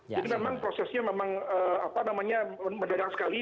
jadi memang prosesnya memang mendadak sekali